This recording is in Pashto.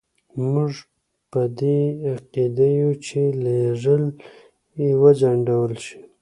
موږ په دې عقیده یو چې لېږل یې وځنډول شي.